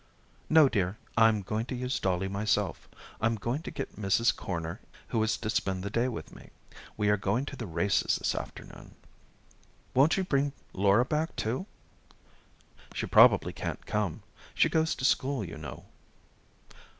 "No, dear, I'm going to use Dollie myself. I'm going to get Mrs. Corner, who is to spend the day with me. We are going to the races this afternoon." "Won't you bring Laura back, too?" "She probably can't come. She goes to school, you know."